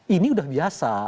ini sudah biasa